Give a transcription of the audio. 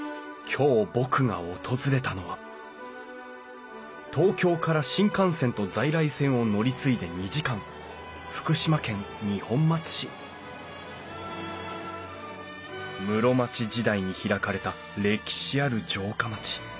今日僕が訪れたのは東京から新幹線と在来線を乗り継いで２時間福島県二本松市室町時代に開かれた歴史ある城下町。